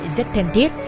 rất thân thiết